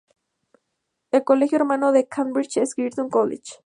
El colegio hermano en Cambridge es Girton College.